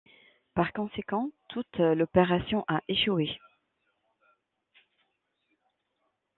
Par conséquent, toute l'opération a échoué.